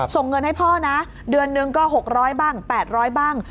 ส่งเงินให้พ่อนะเดือนหนึ่งก็๖๐๐บ้าง๘๐๐บ้าง